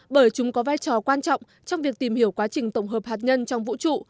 bởi chúng có vai trò quan trọng trong việc tìm hiểu quá trình tổng hợp hạt nhân trong vũ trụ